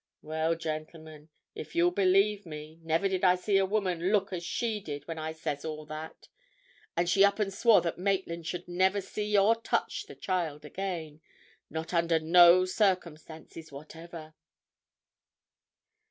Well, gentlemen, if you'll believe me, never did I see a woman look as she did when I says all that. And she up and swore that Maitland should never see or touch the child again—not under no circumstances whatever."